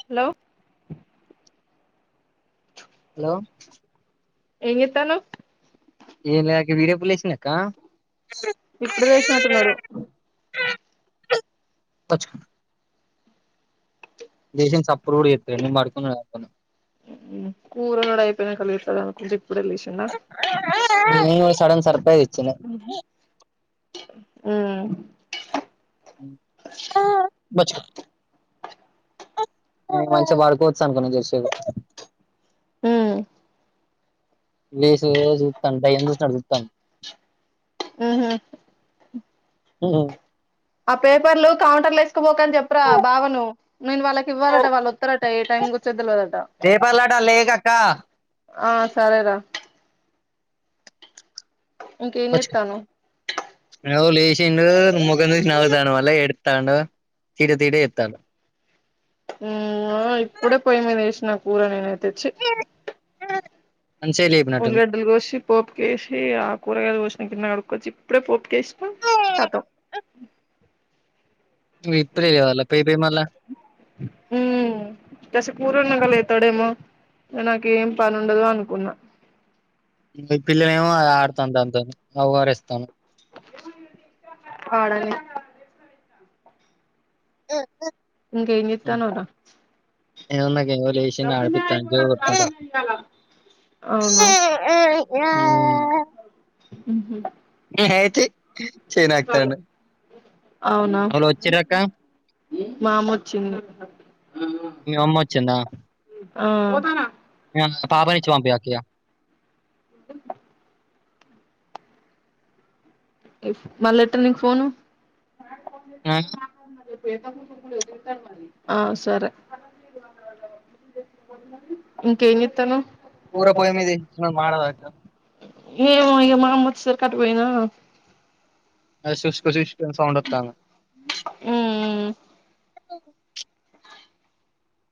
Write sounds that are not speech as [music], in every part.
Hello hello ఏంచేత్తనావ్ ఏం లే అక్క వీడెప్పుడు లేచిండు అక్క ఇప్పుడే లేసినట్టున్నాడు లేసిన సప్పుడు కూడా సేతలే నేను పడుకున్నాడనుకున్నా కురోండుడు అయిపోయినాక లేస్తాడు అనుకుంటే ఇప్పుడే లేచి సడన్ సర్ప్రైజ్ ఇచ్చిండు ఉ బచ్చుకో నేను మంచిగ పడుకోవచ్చు అనుకున్న జర్సేపు ఉమ్ లేసు చూస్తాండు దయం సుస్తునటు సుస్తాండు ఉహు ఉహు ఆ పేపర్లు కౌంటర్ లో వేసుకుపోకని చెప్పురా బావను నేను వాళ్ళకి ఇవ్వాలట వల్లోతరట ఏ టైమ్ కొచ్చేది తెల్వదట రేపల్లాట లేయకక్క ఆ సరేరా ఇంకేం చేస్తున్నావ్ నవు లేసిండు మొఖం చూసి నవుతాండు మళ్ళ ఎడుతాండు తిడే తీడే ఎత్తాను ఇంగో ఇప్పుడే పొయ్యి మీద ఎసిన కూర నేనయితే చి మంచిగా లేపినట్టుంది ఉల్లిగడ్డలు కోసి పోపుకేసి ఆ కూరగాయలు కోసిన గిన్నె కడుక్కొచ్చి ఇప్పుడే పోపు కేసిన ఇప్పుడె లేవల పోయిపోయి మళ్ళా ఉమ్మ్ కాసేపు కూరోండినంక లేత్తాడేమో ఇగ నాకేం పనుండదు అనుకున్న మీ పిల్లనేమో ఆడతాంది దానితోని ఓఆర్ఎస్ తోని ఆడని ఇంకేం చేత్తాన్నావ్ రా ఏముందక్క ఇగో లే సింది ఆడ్పిత్తన్న జో కొట్టుకుంటా ఉమ్మ్ మ్మ్ఉహ్మ్ హేహై తీ చెయి నాకుతాండు అవునా మా అమ వచ్చింది మి అమ్మ వచ్చిందా ఆ పాపనిచ్చి పంపియ్ అక్కయ్య మల్లేట్ట నికు ఫోను ఆ, ఆ సరే ఇంకేం చేతానవ్ కూర పొయ్యి మీద ఇచ్చిన మాడదాక ఏమో ఇగ మా అమ్మ వొచ్చేసరికి అటు పోయినా అది సుస్క్ సుస్కు్ అని సౌండ్ ఓతాంది ఉమ్మ్మ్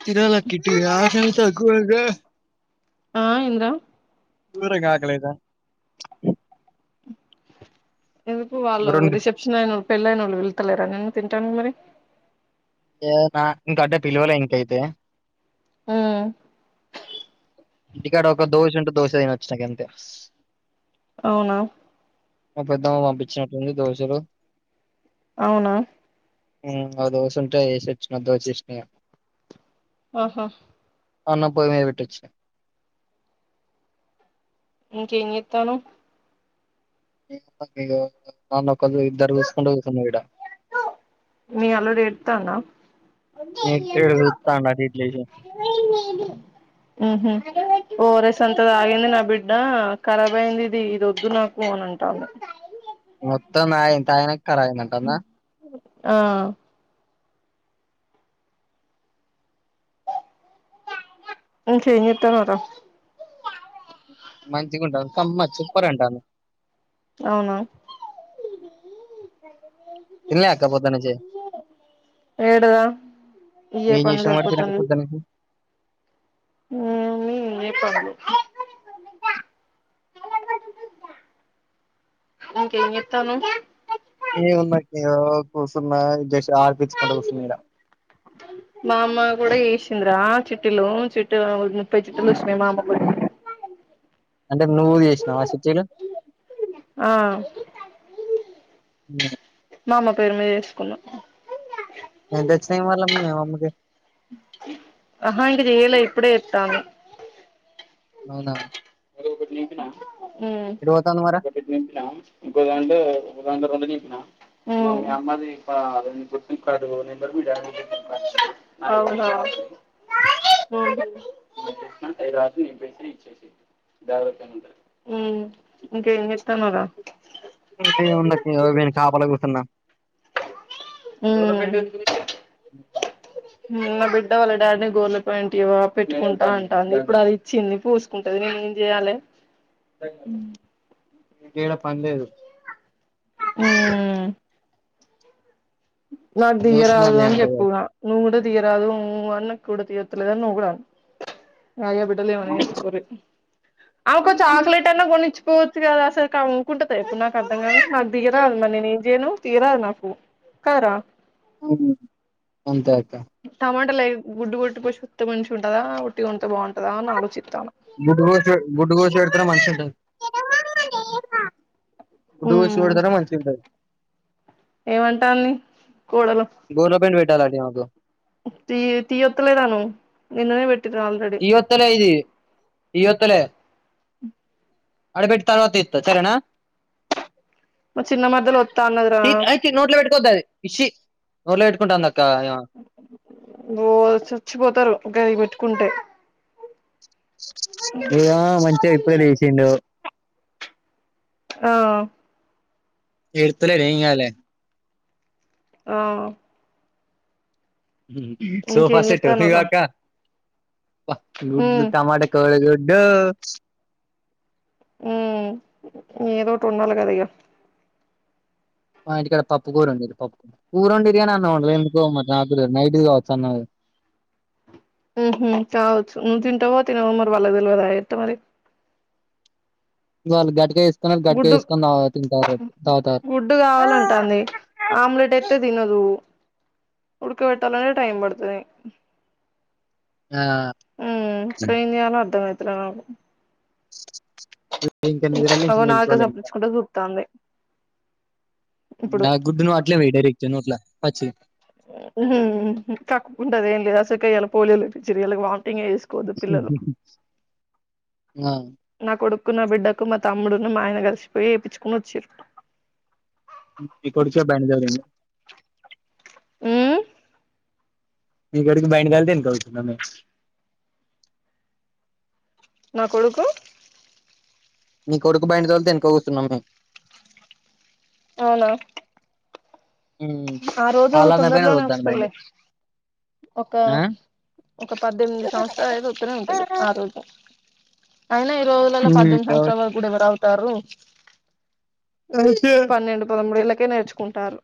తినాలక్కా ఇంటికి పోయి ఆకలి అయితాంది ఘోరంగా ఆ ఏందిరా ఘోరంగా ఆకలయిదా ఎందుకు వాళ్ళు రెండు రిసెప్షన్ అయినోళ్ళు పెళ్లి అయినోళ్ళు పిలుతలేరా నిన్ను తింటానికి మరి ఏమో నా ఇంక అంటే పిలువలే ఇంకైతే ఉమ్ ఇంటికాడ ఒక దోశ ఉంటే దోశ తి ఇగ అంతే అవునా మా పెద్దమ్మ పంపించినట్టుంది దోశాలు అవునా ఉమ్మ్ ఆ దోసుంటే ఏసిచ్చిన దోచేసిన ఇగ ఆహా అన్న పోయి మీది పెట్టొచిన ఇంకేం చెత్తన్నావ్ నన్ను ఇగో నన్ను ఒక్కళ్ళు ఇద్దరు చుసుకుంటా కూర్చున్నారు ఇడ మీ అల్లుడు ఏడుత్తాండా నేక్ పిరియడు చూత్తాండు అటు ఇటు లేచి మ్మ్ఉహ్మ్ ఓఆర్ఎస్ అంత తాగింది నా బిడ్డ కరాబ్ అయింది ఇది ఇది వద్దు నాకు అని అంటంది మొత్తం తాగి తాగినంక కరబ్ అయింది అంట ఆ ఏం చేత్తాన్నావ్ రా మంచిగుంటది కమ్మ సూపర్ అంటాంది అవునా తిన్లే అక్క పొద్దనుంచి ఏడరా ఇయ్యే ఏం పనులు జేసినవ్ మరి తినక సరిపోతాన్నాయి పొద్దనుంచి ఏమి జెప్పాలి ఇంకేం చేత్తవ్ నువ్ ఏ ముందక్క ఇగ కూసున్నా జర్స్ ఆడ్పించుకుంటా కూసునీడా [inaudible] మా అమ్మ గూడా ఏషిందిరా చీట్టీలు చిట్టి ముప్పై చీట్టీలు వచ్చినాయి మా అమ్మకు గూడా అంటే నువ్వు జేసినావా చీట్టీలు ఆ ఉమ్ మా అమ్మ పేరు మీద యేసుకున్నాం ఎంత వచ్చినయ్ మళ్ళ మీ అమ్మకి అహా ఇంక జేయలే ఇప్పుడే చెప్తాన్నా అవునా అదొకటి నింపిన ఉమ్ ఎటు పోతాంది మరి ఒకటి నింపిన ఇంకో దాంట్లో ఒకదాంట్లో రెండు నింపిన ఉమ్ మీ అమ్మది గుర్తింపు కార్డు నెంబర్ మీ డాడి గుర్తింపు కార్డు అవునా ఉమ్ నేన్ జేసిన అయి రాసి నింపేసి ఇచ్చేసేయ్ జాగ్రత్త గుంటది ఉమ్ ఇంక ఏం జెత్తన్నవురా అంతే ఏముందక్క ఇగో వీనికి కాపలా గూసున్న ఉమ్ ఉమ్ ఉమ్ నా బిడ్డ వాళ్ళ డాడీని గోర్ల పేయింట్ ఇయ్యవా పెట్టుకుంట అంటాంది ఇప్పుడు అది చింది పూసుకుంటది నేను ఏం జేయాలే యేడ పన్లేదు ఉమ్ నాకు నేను వచ్చిన దియ్యరాదు అన్నయ్య అని అంటది జెప్పున నువ్వు గూడా తీయరాదు ఉమ్ అన్నకు కూడా తీయొత్తలేదు అని నువ్ గూడా అన్నవ్ అయ్యో బిడ్డ వంటలు ఏమన్న చేస్కోరి ఆమెకో చాక్లెట్ అన్నా కొని ఇచ్చుకోవచ్చు గదా అసలు అనుకుంటది ఎప్పుడు నాకు అర్థం నాకు తీయ్యరాదు మరి నేను ఏం జేయను తీయరాదు నాకు కదరా అవునా అంతే అక్క టమాటాలు గుడ్డు గొట్టి పోసి వత్తే మంచిగా ఉంటదా ఉట్టి గొంతే బాగుంటదా అని ఆలోచితాన్న గుడ్డు గోసి గుడ్డు గోసి పెడుతనే మంచిగా ఉంటది గుడ్ కోసి ఉమ్ పెడితేనే మంచిగుంటది ఏమంటాంది కోడలు గోర్ల పేంయిట్ పేట్టాలంటా ఈమెకు తీ తీ ఒత్తలేదు అను నిన్ననే పె ట్టిగా ఆల్రెడీ తీయొత్తలే ఇది తీయొత్తలే ఆడబెట్టి తర్వాత దీత్త సరేనా మా చిన్న మరదలు వత్తా అన్నదిరా చీ నోట్లో పెట్టుకోవద్దు ఆది ఇషీ నోట్లో పెట్టుకుంటంది అక్కా ఓ సచ్చిపోతారు గయ్యి బెట్టుకుంటే ఇగ మంచిగా ఇప్పుడే లేసిండు ఆ ఎడ్తలేడు ఏం గాదులే ఆ సోఫా ఇంకేం సెట్ ఇగో చెత్తన్నావురా అక్క గుడ్లు ఉమ్ టమాట కోడి గుడ్డు ఉ ఏదోటి ఉండాలి కద ఇగ మా ఇంటికాడ పప్పు కూర వండీరు. పప్ కూర వండీరు కాని అన్నం వండలే ఎందుకో మరి రాతిరి నైట్ ది కావచ్చు అన్నం అదీ. ఉహు కావచ్చు నువ్ తింటవో తినవో మరి వాళ్ళకు తెల్వదా ఎట్ట మరి వాళ్ళు గట్గా జేసుకున్నారు గట్క జెసుకని తాగు తింటారు తాగుతారు డ్ కావాలంటంది ఆమ్లెట్ ఎత్తే తినదు ఉడక వెట్టాలంటే టైం పడుతది ఆ హ్మ్ ఇపుడు ఎం చేయాలో అర్థం అయితలేదు నాకు ఇంకా నిదుర నుంచి అగో నాలుక మేలుకోలే ఇంకా సప్పుడిచ్చుకుంట చూత్తాంది ఇప్పుడు ఆ గుడ్డు ను ఆట్లే వోయి డైరెక్ట్ నోట్ల పచ్చి హ్మ్మ్ కక్కుంటది ఏం లేదు అసలుకె పోలియోలు ఎపిచ్చురు ఇలా వామిటింగ్ చేస్ కోదు పిల్లలు ఆ నా కొడుక్కు, నా బిడ్డక్కు మా తమ్ముడును, మా ఆయన కలిసిపోయి ఎపిచుకొని వచ్చిర్. నీ కొడుకు బండి తోలు ఉమ్ నీ కొడుకు బండి తొలితే ఎనుక కూచునము నా కొడుకు నీ కొడుకు బండి తొలితే ఎనుక కూచునము అవునా ఉమ్ ఆ రోజు ఆళ్ళన్న పైన తొందరలోనే తోలుతాండు బండి వస్తదిలే ఒక ఆ ఒక పద్దెనిమిది సంవత్సరాలు అయితే వత్తనే ఉంటుది ఆ రోజు అయినా ఈ రోజులలో ఉమ్ పద్దెనిమిది అవును సంవత్సరాల వరకు కూడా ఎవరు ఆగుతారు? కరెక్టే పన్నెండు, పదమూడేళ్ళకె నేర్చుకుంటారు.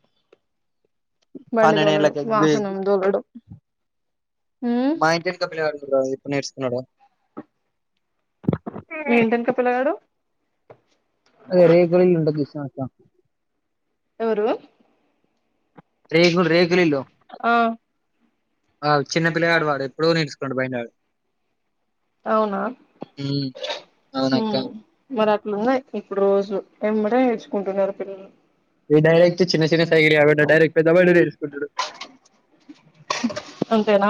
బండి దోలడం. పన్నెండేళ్ళకి వాహనం దోలడం. ఉమ్ మా ఇంటి ఎనకా పిలగాడుకి కూడా రాదు ఎప్పుడు నేర్సుకున్నాడో మీ ఇంటెన్క పిలగాడు అదే రేకుల ఇల్లు జుసిన అక్క ఎవరూ రేకులు రేకులిల్లు, ఆ ఆ చిన్న పిల్లగాడు వాడు ప్పుడో నేర్సుకుండు బండి ఆడు అవునా ఉమ్ అవునక్క ఉమ్ మరి అట్లున్నాయి ఇప్పుడు రోజులు ఎంబడే నేర్చుకుంటున్నారు పిల్లలు ఈడు డైరెక్ట్ చిన్న చిన్న సైకీళ్ళు కాకుండా డైరెక్ట్ పెద్ద బండె నేర్సుకుంటడు. అంతేనా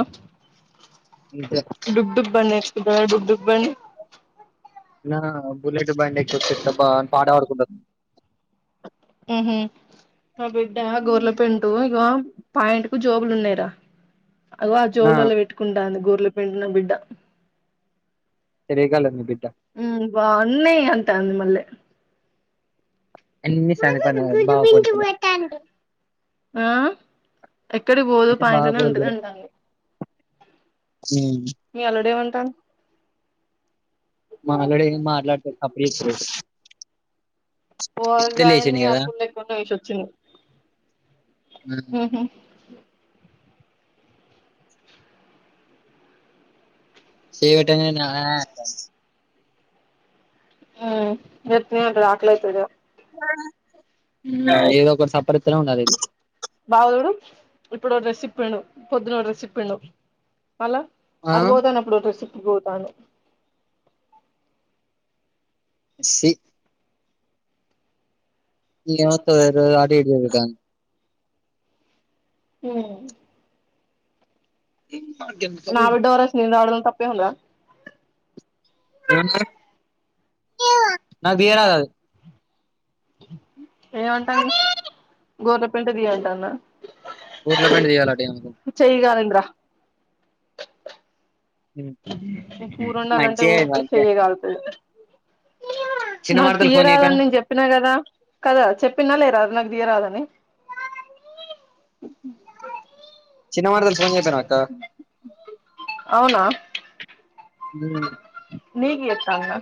ఇంతే డుగ్ డుగ్ బండి నేర్చుకుంటడు డుగ్ డుగ్ బండి నా బుల్లెట్ బండ్ ఎక్కి వచ్చిడు అబా పాడ పాడ్ ఉహు నా బిడ్డ గోర్ల పాయింటు ఇగో పాయింటుకు జోబులు ఉన్నాయిరా. అది ఆ నా జోబులలో పెట్టుకుంటాది గోర్ల పాయింటు నా బిడ్డ. తిరిగే కాళ్ళ నీ బిడ్డ ఉ బా అన్ని అంటాది మళ్ళీ అన్ని సంది పను బావా పోలికలే ఆ ఎక్కడికి పోదు అంటే బాగా పనింటనే ఉంటది పోలికలే అంటది. మీ అల్లుడు ఎవటన్ మా అల్లుడు ఏం మాట్లాడుతలే సప్పుడు జేస్తా లేద్. ఓర్ధయింది కదా అప్పుడు లేకుండా ఏచోచింద్ సి విటమిన్ ఆయక హ వేపరేయల్ రాక్లైతది గదా మా ఏదో ఒకటీ సపరితనే ఉండాలి ఇళ్లు బావ జూడు ఇప్పుడు ఓ డ్రెస్ ఇపిండు. పొద్దున్న ఓ డ్రెస్ ఇపిండు మళ్ళా. ఆ అటు వోతాను అప్పుడు ఓ డ్రెస్ ఇప్పి బోతాను. సి ఇగా ఎవతదో తెల్వదు అటు ఇటు తిరుగతాంది. ఉహ్ ఇమ్మా గేన్ నా వెడ్డోరస్ నీన్ రావడం తప్పే ఉందిరా. ఏంది అది యాద్ ఇవ్వటంద్ గొర్లపెంట్ దియాంటందా. ఊర్లా పెంట్ తీయాలంట ఏవందో చేయ్ గాలిండ్రా యే పీయే ఈ పురోండాలంటే ఊకే చేయే గాళ్తాది. చిన్న నాకు మరదలు ఫోన్ చేయపోయినా తీయరాదాని నేన్ జేప్ ప్పినా గదా కదా చెప్పినా లేరా నాగ్ దియరాదని. హుహ్ చిన్న వర్దల్ ఫోన్ జేపోయినవ్ అక్క. నీగ్ జేతందా.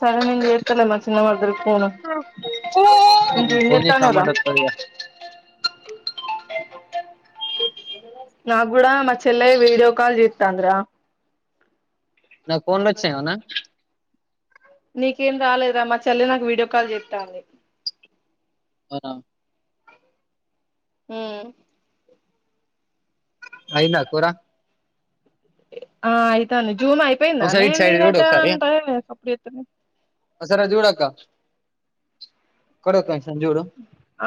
సరే నీన్ జేతలే మా చిన్న మరదలక్ ఫోను. ఇంకా ఏ ఫోన్ చేసి జేతనవ్రా రమ్మంటే వస్తది ఇగ నా గూడా మా చెల్లాయ్ వీడియో కాల్ జీతందిరా. నాకు ఫోన్లు వచ్చినాయి ఏమన్నా నీకేం రాలేదా మా చెల్లి నాకు వీడియో కాల్ జేతంది. అవునా ఉహు్ అయిందా కుర్రా ఆ అయింతాంది జూమ్ అయిప్ ఒకసారి పేందనే ఇటు సైడ్ చూడు మీదంట ఒకసారి అంటే ఏ సప్పుడ్ చేస్తలేద్ ఇక్కడ ఒక నిమిషం జూడు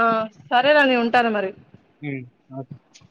ఆ సరేరా నేను ఉంటాను మరి హు హాస్